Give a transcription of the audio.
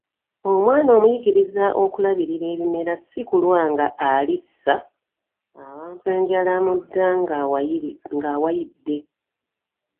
Omwana amuyigiriza okulabirira ebimera si kulwanga alissa abantu enjala mu dda ng’awayidde.